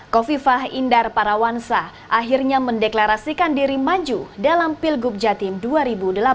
kofifah indar parawansa akhirnya mendeklarasikan diri maju dalam pilgub jatim dua ribu delapan belas